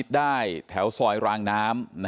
ตลอดทั้งคืนตลอดทั้งคืน